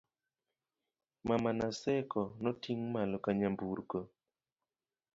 mama, Naseko noting' malo ka nyamburko